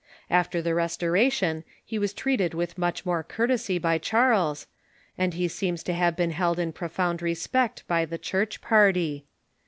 After the Restoration he was treated with much cour tesy by Charles, and he seems to have been held in profound resjject by the Church party.